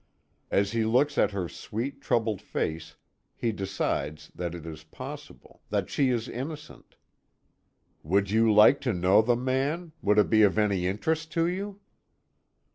As he looks at her sweet, troubled face, he decides that it is possible; that she is innocent. "Would you like to know the man? Would it be of any interest to you?"